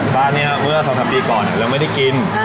บ้านนี้เมื่อ๒๓ปีก่อนเราไม่ได้กิน